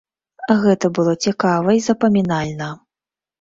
Гэта было цікава і запамінальна.